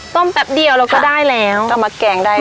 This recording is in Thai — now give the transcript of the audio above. ต้มแป๊บเดี่ยวแล้วก็ได้แล้วเอามาแกงได้เลย